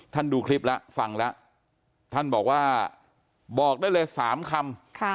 ดูคลิปแล้วฟังแล้วท่านบอกว่าบอกได้เลย๓คำ